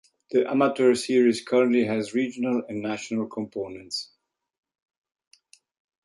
The amateur series currently has regional and national components.